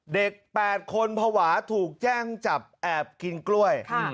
๘คนภาวะถูกแจ้งจับแอบกินกล้วย